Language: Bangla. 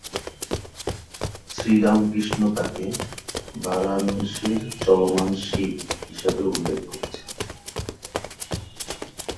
শ্রী রামকৃষ্ণ তাঁকে "বারাণসীর চলমান শিব" হিসাবে উল্লেখ করেছিলেন।